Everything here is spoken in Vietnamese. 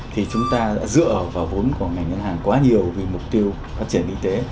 thì chúng ta đã dựa vào vốn của ngành ngân hàng quá nhiều vì mục tiêu phát triển kinh tế